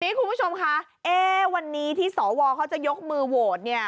คุณผู้ชมคะวันนี้ที่สวเขาจะยกมือโหวตเนี่ย